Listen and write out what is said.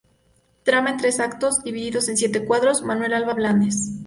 Drama en tres actos, divididos en siete cuadros, Manuel Alba Blanes.